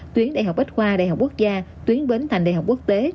tuyến đại học bách khoa đại học quốc gia tuyến bến thành đại học quốc tế